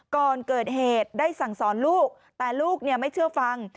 ก่อนเกิดเหตุได้สั่งสอนลูกแต่ลูกไม่เชื่อฟัง